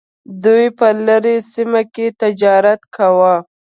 دوی په لرې سیمو کې تجارت کاوه.